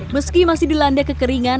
meski masih dilanda kekeringan